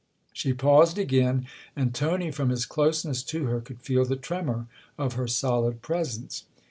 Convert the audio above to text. She paused again, and Tony, from his closeness to her, could feel the tremor of her solid presence.